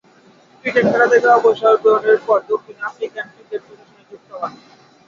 Cricket খেলা থেকে অবসর গ্রহণের পর দক্ষিণ আফ্রিকান ক্রিকেট প্রশাসনে যুক্ত হন।